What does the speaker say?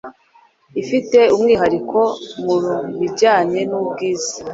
ifite umwihariko mu bijyanye n’ubwiza ...